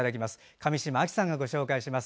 上島亜紀さんがご紹介します。